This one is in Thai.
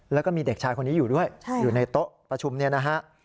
แล้วก็มีเด็กชายคนนี้อยู่ด้วยอยู่ในโต๊ะประชุมเนี่ยนะฮะ